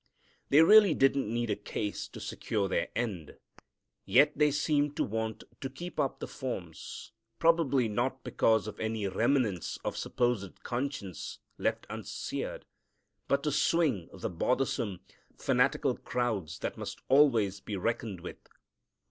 They really didn't need a case to secure their end, yet they seem to want to keep up the forms, probably not because of any remnants of supposed conscience left unseared, but to swing the bothersome, fanatical crowds that must always be reckoned with.